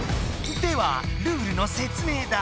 ではルールのせつ明だ。